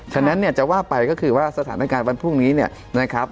ฉะนั้นเนี่ยจะว่าไปก็คือว่าสถานการณ์วันพรุ่งนี้เนี่ยนะครับ